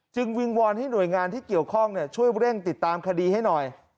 วิงวอนให้หน่วยงานที่เกี่ยวข้องช่วยเร่งติดตามคดีให้หน่อย